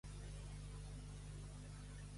Ja sabeu que soc un llepafils, oi?